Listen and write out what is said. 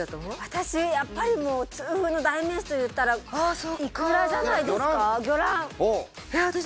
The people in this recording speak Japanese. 私やっぱりもう痛風の代名詞といったらイクラじゃないですか